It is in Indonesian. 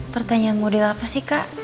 pertanyaan model apa sih kak